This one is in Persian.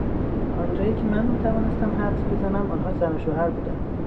تا آنجایی که من میتوانستم حدس بزنم آنها زن و شوهر بودند.